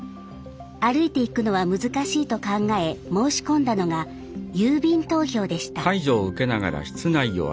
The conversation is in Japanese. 歩いて行くのは難しいと考え申し込んだのが郵便投票でした。